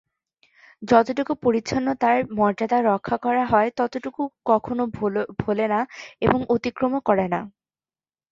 যতটুকু পরিচ্ছন্নতায় মর্যাদা রক্ষা হয় ততটুকু কখনো ভোলে না এবং অতিক্রমও করে না।